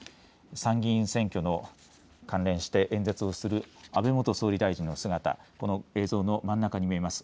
参議院選挙の関連して演説をする安倍元総理大臣の姿、この映像の真ん中に見えます。